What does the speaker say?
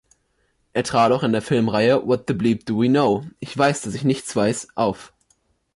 Er trat auch in der Filmreihe „What the Bleep do we (k)now!? – Ich weiß, dass ich nichts weiß!“ auf.